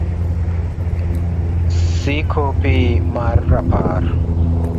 c-Kopi mar Rapar